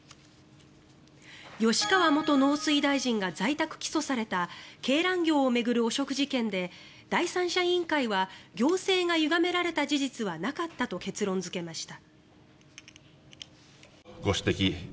吉川元農水大臣が在宅起訴された鶏卵業を巡る汚職事件で第三者委員会は行政がゆがめられた事実はなかったと結論付けました。